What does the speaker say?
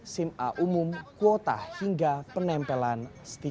sima umum kuota hingga penempelan stiker